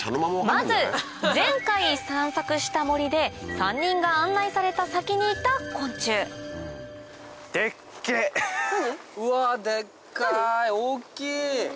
まず前回散策した森で３人が案内された先にいた昆虫うわでっかい。